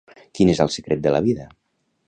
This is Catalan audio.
Quin és el secret de la vida?